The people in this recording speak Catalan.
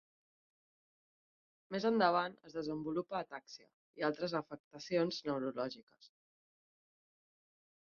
Més endavant es desenvolupa atàxia i altres afectacions neurològiques.